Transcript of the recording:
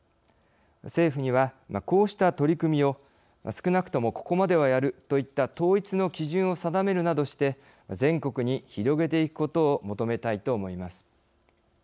政府には、こうした取り組みを少なくともここまではやるといった統一の基準を定めるなどして全国に広げていくことを求めたいと思います。